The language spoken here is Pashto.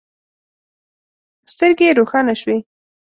سترګې يې روښانه شوې.